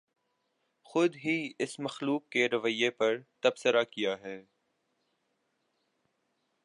خود ہی اس مخلوق کے رویے پر تبصرہ کیاہے